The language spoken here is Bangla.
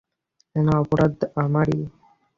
যেন অপরাধ আমারই!